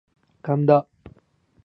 神田